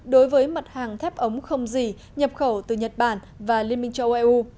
đối với mặt hàng thép ống không gì nhập khẩu từ nhật bản và liên minh châu âu